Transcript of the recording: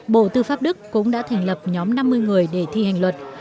bộ tư pháp đức cũng đã thành lập nhóm năm mươi người để thi hành luật